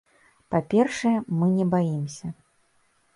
Па-першае, мы не баімся.